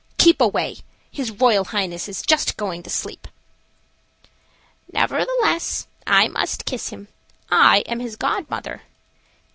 Keep away; his Royal Highness is just going to sleep." "Nevertheless I must kiss him. I am his god mother."